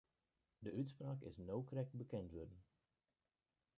De útspraak is no krekt bekend wurden.